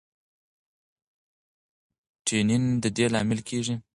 ټینین د دې لامل کېږي.